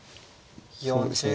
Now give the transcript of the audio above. そうですね。